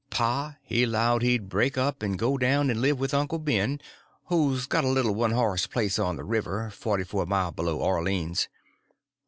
Pa, he 'lowed he'd break up and go down and live with Uncle Ben, who's got a little one horse place on the river, forty four mile below Orleans.